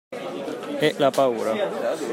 È la paura!